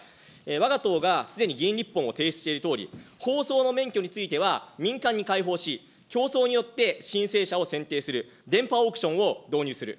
わが党がすでに議員立法も提出しているとおり、放送の免許については民間に開放し、競争によって申請者を選定する、電波オークションを導入する。